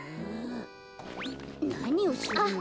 なにをするの？